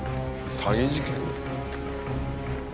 詐欺事件？